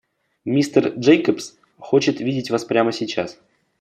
Мистер Джейкобс хочет видеть вас прямо сейчас.